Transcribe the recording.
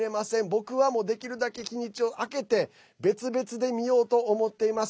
僕はできるだけ日にちを空けて別々で見ようと思っています。